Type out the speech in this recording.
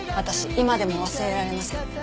今でも忘れられません。